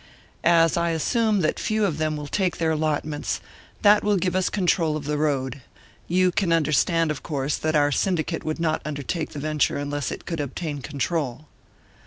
As I assume that few of them will take their allotments, that will give us control of the road; you can understand, of course, that our syndicate would not undertake the venture unless it could obtain control."